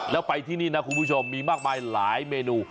แล้วไปที่นี่นะคุณผู้ชมมีมากมายหลายเมนู